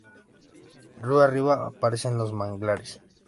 Río arriba aparecen los manglares.